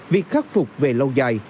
việc khắc phục về lâu dài